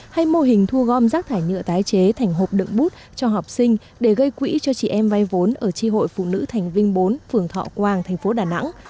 hay mô hình thu gom rác thải nhựa tái chế thành hộp đựng bút cho học sinh để gây quỹ cho chị em vay vốn ở tri hội phụ nữ thành vinh bốn phường thọ quang thành phố đà nẵng